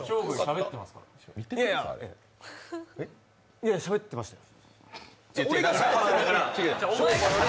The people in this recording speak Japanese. いやいやしゃべってましたよ。